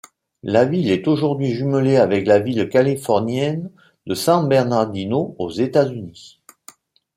La ville est aujourd'hui jumelée avec la ville californienne de San Bernardino aux États-Unis.